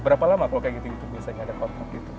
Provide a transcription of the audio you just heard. berapa lama kalau kayak gitu misalnya ada kontrak gitu